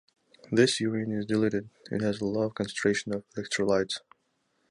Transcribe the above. This urine is diluted, it has a low concentration of electrolytes.